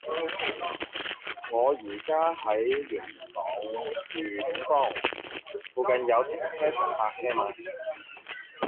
我依家喺元朗裕景坊，附近有停車場泊車嗎